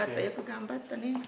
よく頑張ったね。